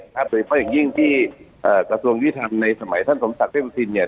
โดยเฉพาะอย่างยิ่งที่กระทรวงยุทธรรมในสมัยท่านสมศักดิ์เทพธินเนี่ย